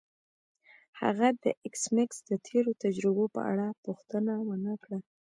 هغه د ایس میکس د تیرو تجربو په اړه پوښتنه ونه کړه